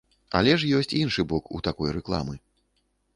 Але ж ёсць іншы бок у такой рэкламы.